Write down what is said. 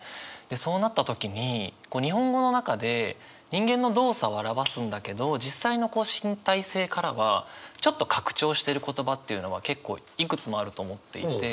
そうなった時に日本語の中で人間の動作を表すんだけど実際の身体性からはちょっと拡張してる言葉っていうのは結構いくつもあると思っていて。